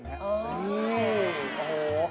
นี่โอ้โฮ